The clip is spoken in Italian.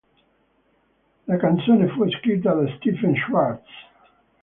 La canzone fu scritta da Stephen Schwartz.